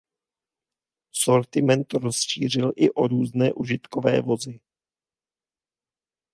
Sortiment rozšířil i o různé užitkové vozy.